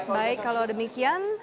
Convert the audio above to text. baik kalau demikian